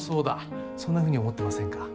そんなふうに思ってませんか？